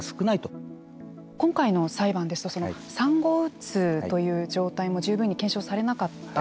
今回の裁判ですと産後うつという状態も十分に検証されなかった。